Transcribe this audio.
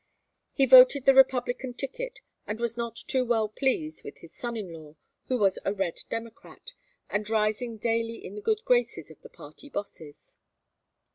He voted the Republican ticket and was not too well pleased with his son in law who was a red Democrat and rising daily in the good graces of the party bosses.